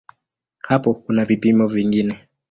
Hapo kuna vipimo vingine.